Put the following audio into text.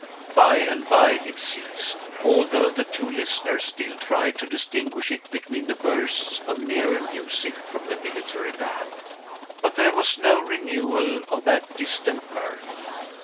By and by it ceased although the two listeners still tried to distinguish it between the bursts of nearer music from the military band. But there was no renewal of that distant mirth.